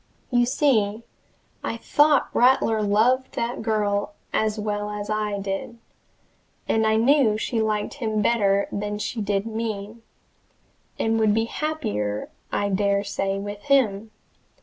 You see I thought Rattler loved that girl as well as I did, and I knew she liked him better than she did me, and would be happier I dare say with him.